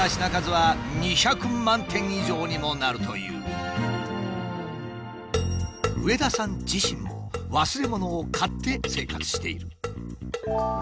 これまで上田さん自身も忘れ物を買って生活している。